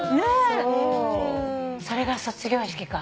それが卒業式か。